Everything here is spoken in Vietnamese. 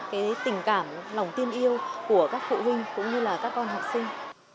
cái tình cảm lòng tin yêu của các phụ huynh cũng như là các con học sinh